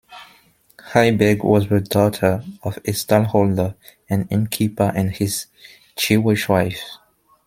Heiberg was the daughter of a stallholder and innkeeper and his Jewish wife.